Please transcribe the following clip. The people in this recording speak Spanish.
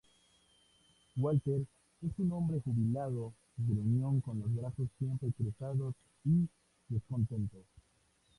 Walter es un hombre jubilado, gruñón con los brazos siempre cruzados y descontento.